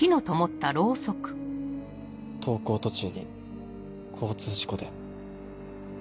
登校途中に交通事故で。